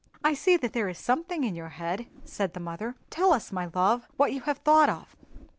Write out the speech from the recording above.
"I see that there is something in your head," said the mother; "tell us, my love, what you have thought of.